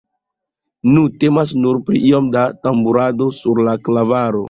Nu, temas nur pri iom da tamburado sur la klavaro.